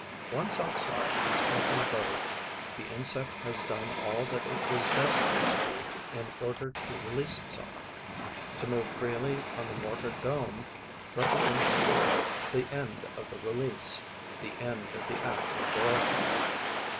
Once outside its earthen abode, the insect has done all that it was destined to do in order to release itself; to move freely on the mortar dome represents to it the end of the release, the end of the act of boring.